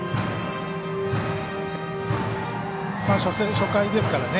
初回ですからね。